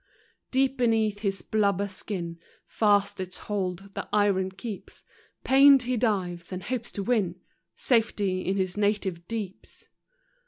Deep beneath his blubber skin Fast its hold the iron keeps; Pained he dives, and hopes to win Safety in his native deeps.